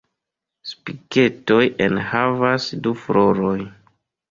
Spiketoj enhavas du floroj.